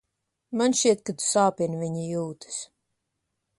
Man šķiet, ka tu sāpini viņa jūtas.